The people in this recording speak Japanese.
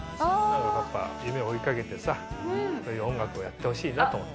やっぱ夢を追いかけてさそういう音楽をやってほしいなと思って。